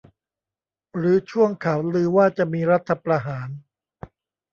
หรือช่วงข่าวลือว่าจะมีรัฐประหาร ?